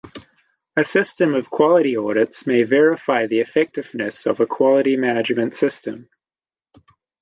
A system of quality audits may verify the effectiveness of a quality management system.